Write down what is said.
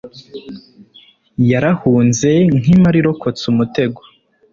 yarahunze nk'impara irokotse umutego